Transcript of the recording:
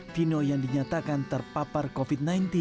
vino yang dinyatakan terpapar covid sembilan belas